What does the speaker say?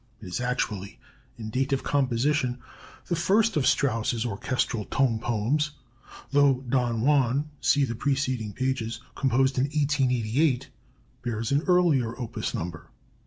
It is actually, in date of composition, the first of Strauss's orchestral tone poems, though "Don Juan" (see the preceding pages), composed in 1888, bears an earlier opus number 20.